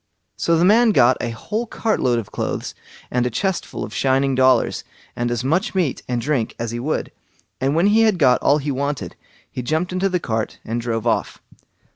So the man got a whole cart load of clothes, and a chest full of shining dollars, and as much meat and drink as he would; and when he had got all he wanted, he jumped into the cart and drove off.